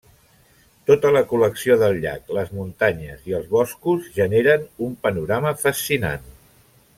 Tota la col·lecció del llac, les muntanyes i els boscos generen un panorama fascinant.